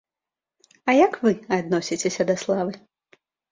А як вы адносіцеся да славы?